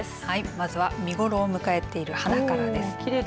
こちらは見ごろを迎えている花からです。